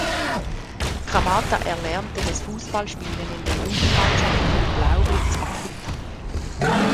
Kamata erlernte das Fußballspielen in der Jugendmannschaft von Blaublitz Akita.